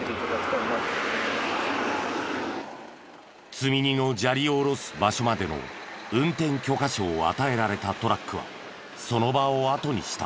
積み荷の砂利を下ろす場所までの運転許可証を与えられたトラックはその場をあとにした。